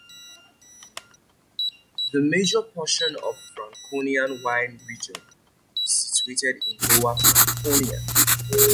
The major portion of the Franconian wine region is situated in Lower Franconia.